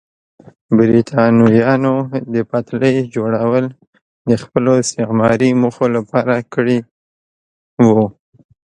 برېټانویانو د پټلۍ جوړول د خپلو استعماري موخو لپاره کړي وو.